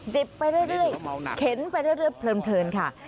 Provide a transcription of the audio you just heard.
ไปเรื่อยเข็นไปเรื่อยเพลินค่ะ